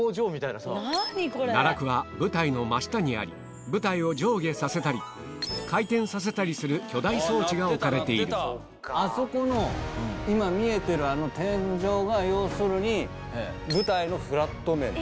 奈落は舞台の真下にあり舞台を上下させたり回転させたりする巨大装置が置かれているあそこの今見えてる天井が要するに。